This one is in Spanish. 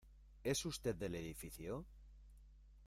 ¿ es usted del edificio?